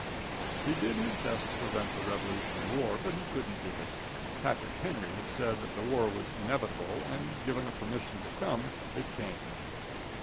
He did his best to prevent the Revolutionary war, but he couldn't do it, Patrick Henry had said that the war was inevitable, and given it permission to come, and it came.